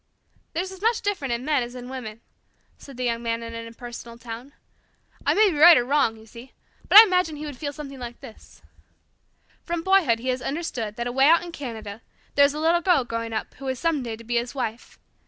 "There's as much difference in men as in women," said the Young Man in an impersonal tone. "I may be right or wrong, you see, but I imagine he would feel something like this: From boyhood he has understood that away out in Canada there is a little girl growing up who is some day to be his wife.